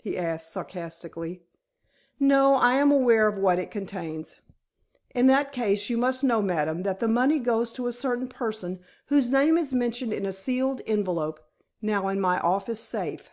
he asked sarcastically. "No. I am aware of what it contains." "In that case, you must know, madam, that the money goes to a certain person whose name is mentioned in a sealed envelope, now in my office safe."